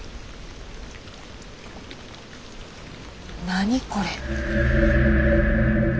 何これ？